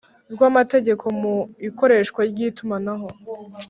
rw amategeko mu ikoreshwa ry itumanaho